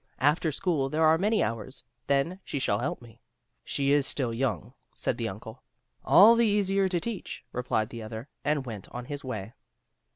After school there are many hours. Then she shall help me." "She is still yoimg," said the Uncle. "All the easier to teach," replied the other, and went on his way.